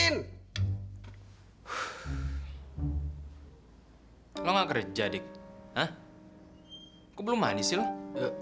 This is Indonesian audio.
mbak aku mau mandi sih loh